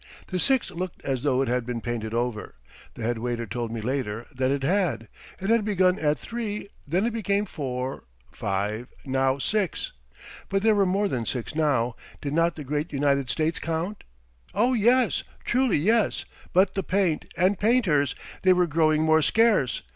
The Six looked as though it had been painted over. The head waiter told me later that it had. It had begun at three, then it became four five now six. But there were more than six now did not the great United States count? Oh, yes, truly yes but the paint and painters! They were growing more scarce.